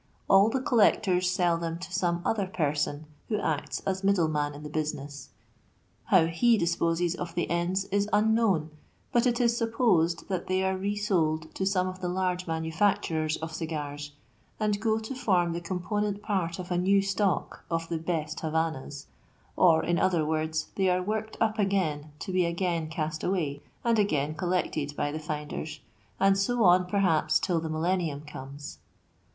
All the collectors sell them to some other person, who acts as middle man in the business. How he disposes of the ends is unknown, but it is supposed that they are resold to some of the large manufacturers of cigars, and go to form the component part of a new stock of the "best Havannahs ;or, in other words, they are worked up again to be again castaway, and again collected by the finders, and so on perhaps, till the millen nium comes.